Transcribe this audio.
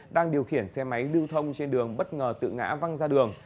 đang điều khiển xe máy lưu thông trên đường bất ngờ tự ngã văng ra đường